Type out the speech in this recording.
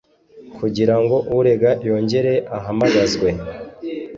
kugira ngo urega yongere ahamagazwe